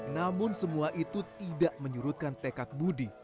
namun semua itu tidak menyurutkan tekad budi